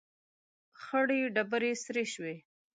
، خړې ډبرې سرې شوې.